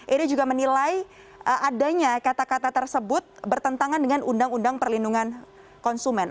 ini juga menilai adanya kata kata tersebut bertentangan dengan undang undang perlindungan konsumen